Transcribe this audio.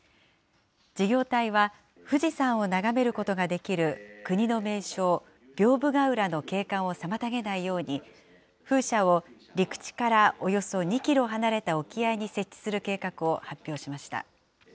事業体は、富士山をながめることができる国の名勝、屏風ヶ浦の景観を妨げないように、風車を陸地からおよそ２キロ離れた沖合に設置する計画を発表しました。